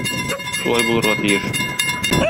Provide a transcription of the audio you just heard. Шулай булырга тиеш.